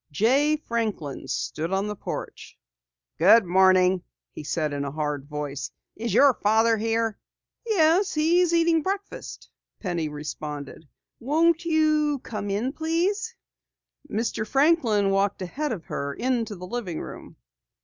Jay Franklin stood on the porch. "Good morning," he said in a hard voice. "Is your father here?" "Yes, he is eating breakfast," Penny responded. "Won't you come in, please?" Mr. Franklin walked ahead of her into the living room.